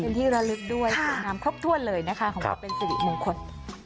เป็นที่ระลึกด้วยสวยงามครบถ้วนเลยนะคะของความเป็นสิริมงคล